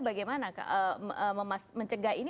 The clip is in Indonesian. bagaimana mencegah ini